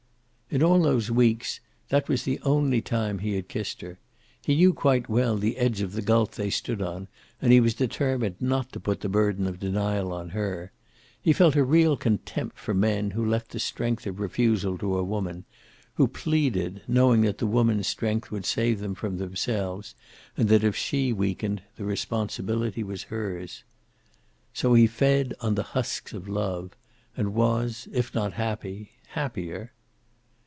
In all those weeks, that was the only time he had kissed her. He knew quite well the edge of the gulf they stood on, and he was determined not to put the burden of denial on her. He felt a real contempt for men who left the strength of refusal to a woman, who pleaded, knowing that the woman's strength would save them from themselves, and that if she weakened, the responsibility was hers. So he fed on the husks of love, and was, if not happy, happier.